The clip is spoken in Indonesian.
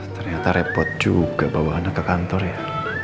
ternyata repot juga bawa anak ke kantor ya